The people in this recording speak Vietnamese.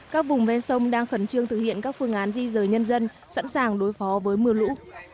các vùng ven sông đang khẩn trương thực hiện các phương án di rời nhân dân sẵn sàng đối phó với mưa lũ